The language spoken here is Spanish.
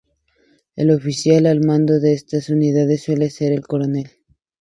El oficial al mando de estas unidades suele ser un coronel.